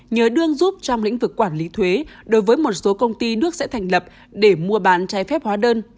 nhớ đương giúp trong lĩnh vực quản lý thuế đối với một số công ty nước sẽ thành lập để mua bán trái phép hóa đơn